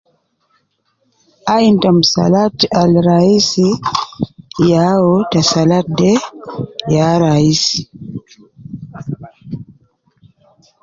Ain ya musalat al raisi yau ta salatu de ya raisi